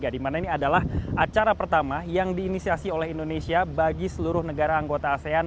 di mana ini adalah acara pertama yang diinisiasi oleh indonesia bagi seluruh negara anggota asean